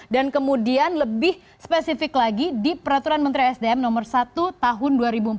dan kemudian lebih spesifik lagi di peraturan menteri sdm no satu tahun dua ribu empat belas